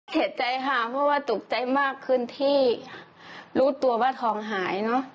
เสียใจค่ะเพราะว่าตกใจมากขึ้นที่รู้ตัวว่าทองหายเนอะ